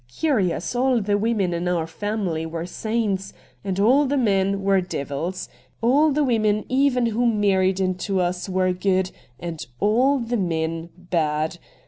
Curious, all the women in our family were saints, and all the men were devils. All the women even who married into us were good, and all the men bad.